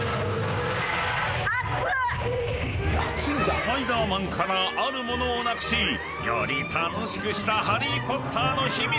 ［スパイダーマンからある物をなくしより楽しくしたハリー・ポッターの秘密